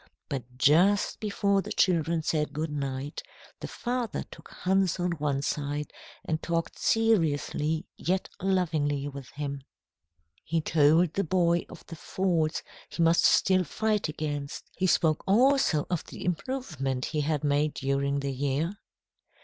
But just before the children said good night, the father took Hans one side and talked seriously yet lovingly with him. He told the boy of the faults he must still fight against. He spoke also of the improvement he had made during the year.